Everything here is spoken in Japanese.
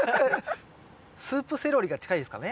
スープセロリが近いですかね。